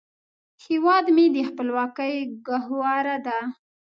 هیواد مې د خپلواکۍ ګهواره ده